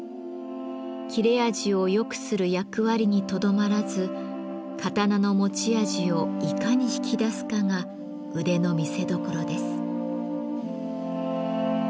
切れ味を良くする役割にとどまらず刀の持ち味をいかに引き出すかが腕の見せどころです。